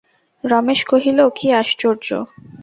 রমেশ কহিল, কী আশ্চর্য!